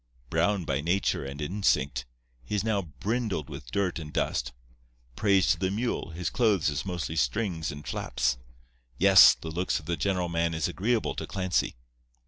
Brown by nature and instinct, he is now brindled with dirt and dust. Praise to the mule, his clothes is mostly strings and flaps. Yes, the looks of the general man is agreeable to Clancy.